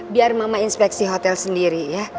biar mama inspeksi hotel sendiri ya